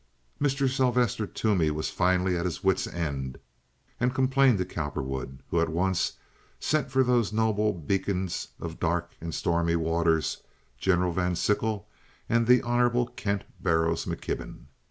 Mr. Sylvester Toomey was finally at his wit's end, and complained to Cowperwood, who at once sent for those noble beacons of dark and stormy waters, General Van Sickle and the Hon. Kent Barrows McKibben.